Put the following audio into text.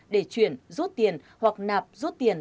để chuyển rút tiền hoặc nạp rút tiền